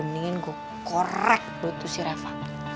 mendingan gue korek belut tuh si reva